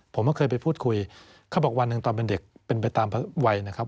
ผมก็เคยไปพูดคุยเขาบอกวันหนึ่งตอนเป็นเด็กเป็นไปตามวัยนะครับ